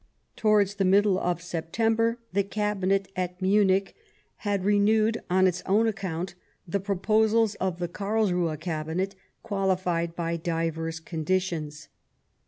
To wards the middle of September the Cabinet at Munich had renewed on its own account the proposals of the Carlsruhe Cabinet, qualified by divers conditions.